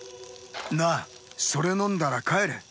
なあそれのんだらかえれ。